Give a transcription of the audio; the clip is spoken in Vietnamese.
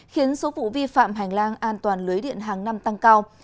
khiến số vụ vi phạm hành lang an toàn lưới điện hàng năm tăng cao